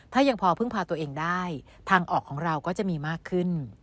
ถ้ายังพอพึ่งพาตัวเองได้ทางออกของเราก็จะมีมากขึ้น